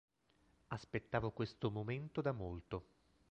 Aspettavo questo momento da molto".